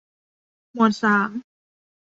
หมวดสาม